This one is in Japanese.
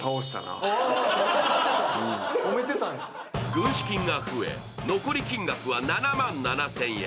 軍資金が増え、残り金額は７万７０００円。